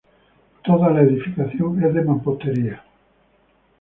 Toda la edificación es de mampostería.